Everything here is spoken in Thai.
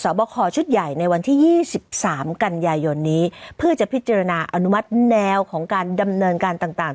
บคอชุดใหญ่ในวันที่๒๓กันยายนนี้เพื่อจะพิจารณาอนุมัติแนวของการดำเนินการต่าง